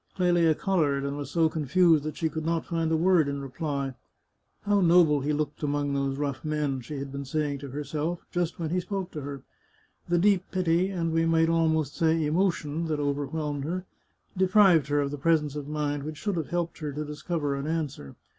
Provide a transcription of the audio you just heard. Clelia coloured, and was so confused that she could not find a word in reply. " How noble he looked among those rough men !" she had been saying to herself, just when he spoke to her. The deep pity, and we might almost say emotion, that overwhelmed her, deprived her of the presence of mind which should have helped her to discover an an swer.